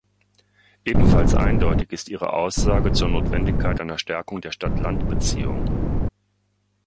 Ebenfalls eindeutig ist Ihre Aussage zur Notwendigkeit einer Stärkung der Stadt-Land-Beziehung.